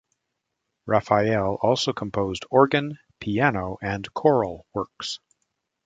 Raphael also composed organ, piano and choral works.